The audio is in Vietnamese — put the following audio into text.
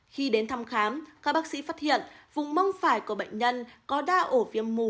khi đến thăm khám các bác sĩ phát hiện vùng mông phải của bệnh nhân có đa ổ viêm mù